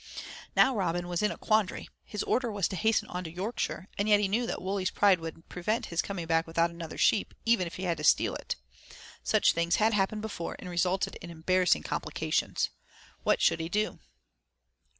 Now Robin was in a quandary. His order was to hasten on to Yorkshire, and yet he knew that Wully's pride would prevent his coming back without another sheep, even if he had to steal it. Such things had happened before, and resulted in embarrassing complications. What should he do?